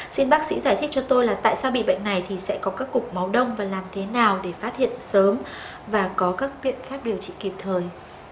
xin bác sĩ giải thích cho tôi là tại sao bị bệnh này thì sẽ có các cục máu đông và làm thế nào để phát hiện sớm và có các biện pháp điều trị kịp thời